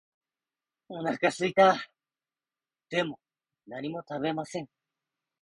お腹すいた。でも何も食べません。